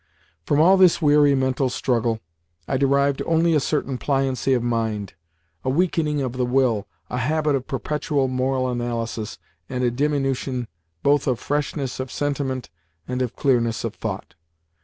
From all this weary mental struggle I derived only a certain pliancy of mind, a weakening of the will, a habit of perpetual moral analysis, and a diminution both of freshness of sentiment and of clearness of thought.